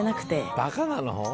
バカなの？